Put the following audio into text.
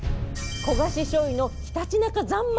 焦がししょうゆのひたちなか三昧